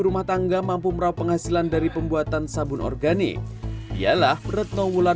rumah tangga mampu merauh penghasilan dari pembuatan sabun organik ialah retno wulan